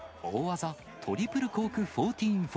大技、トリプルコーク１４４０。